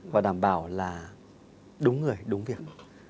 và đảm bảo là đúng người đúng việc